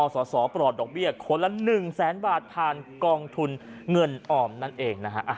สอสอปลอดดอกเบี้ยคนละ๑แสนบาทผ่านกองทุนเงินออมนั่นเองนะฮะ